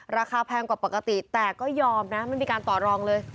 แพงกว่าปกติแต่ก็ยอมนะไม่มีการต่อรองเลย